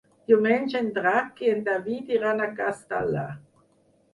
Diumenge en Drac i en David iran a Castalla.